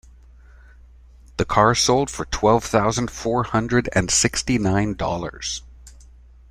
The car sold for twelve thousand four hundred and sixty nine dollars.